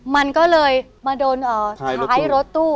มันก็เลยมาโดนท้ายรถตู้